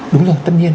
đúng rồi tất nhiên